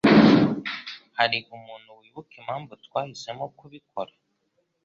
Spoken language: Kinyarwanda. Hari umuntu wibuka impamvu twahisemo kubikora?